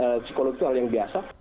dengan psikolog itu hal yang biasa